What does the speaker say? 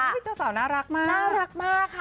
พี่เจ้าสาวน่ารักมาก